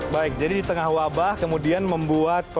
baik jadi di tengah wabah kemudian membuat